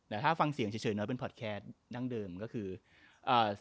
แต่ถ้าฟังเสียงเฉยเฉยน้อยเป็นดั้งเดิมก็คืออ่า